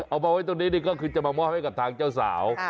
เอามาไว้ตรงนี้ก็คือจะมามอบให้กับทางเจ้าสาว